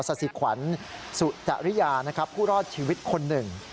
สศิขวัญสุตริยาผู้รอดชีวิตคนหนึ่ง